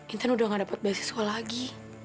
inten udah gak dapat beasiswa lagi